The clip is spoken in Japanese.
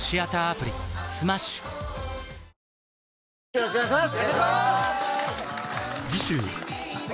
よろしくお願いします！